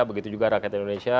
begitu juga rakyat indonesia